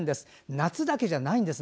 夏だけじゃないんです。